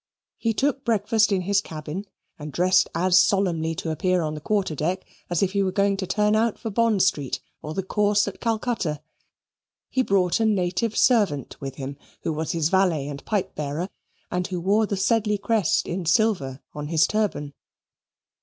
He took breakfast in his cabin and dressed as solemnly to appear on the quarter deck as if he were going to turn out for Bond Street, or the Course at Calcutta. He brought a native servant with him, who was his valet and pipe bearer and who wore the Sedley crest in silver on his turban.